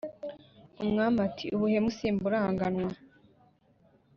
umwami Ati: "Ubuhemu simburanganwa